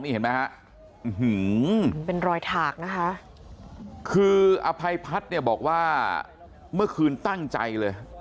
เห็นไหมฮะเป็นรอยถากนะคะคืออภัยพัฒน์เนี่ยบอกว่าเมื่อคืนตั้งใจเลย